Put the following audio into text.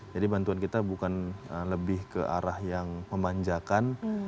jadi bantuan kita bukan lebih ke arah yang memanjakan